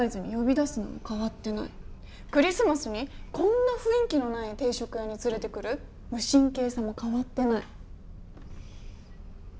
クリスマスにこんな雰囲気のない定食屋に連れてくる無神経さも変わってない。